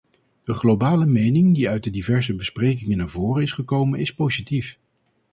De globale mening die uit de diverse besprekingen naar voren is gekomen is positief.